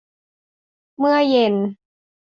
เมื่อเย็น